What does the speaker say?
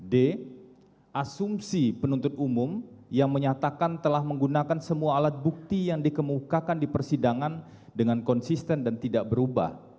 d asumsi penuntut umum yang menyatakan telah menggunakan semua alat bukti yang dikemukakan di persidangan dengan konsisten dan tidak berubah